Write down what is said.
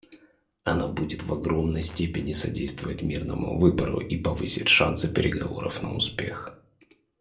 Она будет в огромной степени содействовать мирному выбору и повысит шансы переговоров на успех.